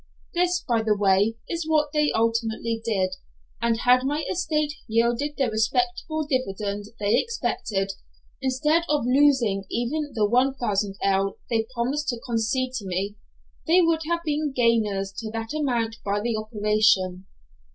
This, by the way, is what they ultimately did, and had my estate yielded the respectable dividend they expected, instead of losing even the 1000_l._ they promised to concede to me, they would have been gainers to that amount by the operation.